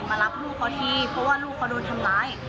มารับลูกเขาทีเพราะว่าลูกเขาโดนทำร้าย